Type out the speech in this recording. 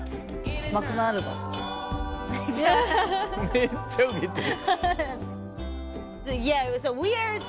めっちゃウケてる！